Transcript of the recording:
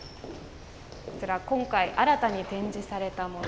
こちら今回新たに展示されたもの